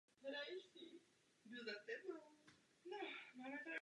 Právě židovští veteráni britské armády stáli za zřízením mošavu.